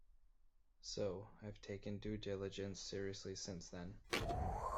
So, I've taken due diligence seriously since then.